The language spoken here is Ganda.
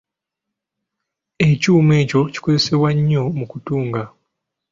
Ekyuma ekyo kikozesebwa nnyo mu kutunga.